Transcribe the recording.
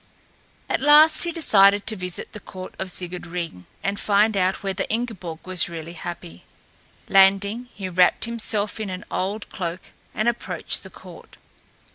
At last he decided to visit the court of Sigurd Ring and find out whether Ingeborg was really happy. Landing, he wrapped himself in an old cloak and approached the court.